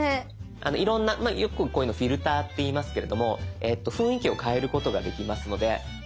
いろんなよくこういうのを「フィルター」っていいますけれども雰囲気を変えることができますので。